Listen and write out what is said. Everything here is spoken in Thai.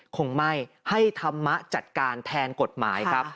คงไม่ให้ธรรมะจัดการแทนกฎหมายครับ